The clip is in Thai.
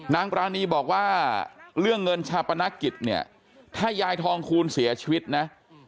นางปรานีบอกว่าเรื่องเงินชาปนกิจเนี่ยถ้ายายทองคูณเสียชีวิตนะ